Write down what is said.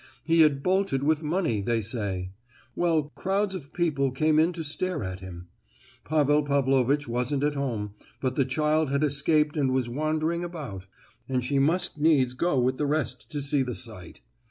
He had bolted with money, they say. Well, crowds of people came in to stare at him. Pavel Pavlovitch wasn't at home, but the child had escaped and was wandering about; and she must needs go with the rest to see the sight.